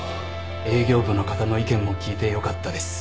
営業部の方の意見も聞いてよかったです。